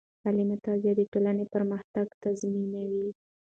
سالمه تغذیه د ټولنې پرمختګ تضمینوي.